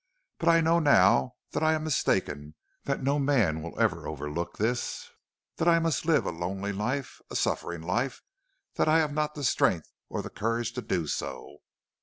But I know now that I am mistaken; that no man will ever overlook this; that I must live a lonely life, a suffering life; and I have not the strength or the courage to do so.